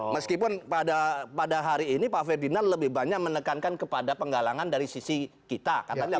meskipun pada hari ini pak ferdinand lebih banyak menekankan kepada penggalangan dari sisi kita